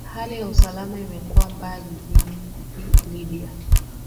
hali ya usalama imekuwa mbaya jiji libya